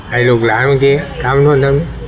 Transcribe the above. ไอ้ลูกหลานบางทีทำรุ่นนั้น